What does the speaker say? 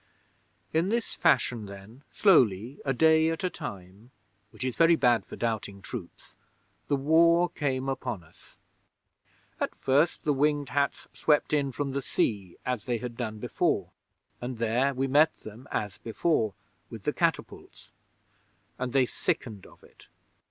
'In this fashion then, slowly, a day at a time, which is very bad for doubting troops, the War came upon us. At first the Winged Hats swept in from the sea as they had done before, and there we met them as before with the catapults; and they sickened of it.